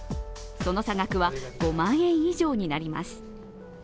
その差額は５万円以上になります。